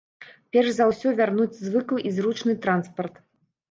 Перш за ўсё, вярнуць звыклы і зручны транспарт.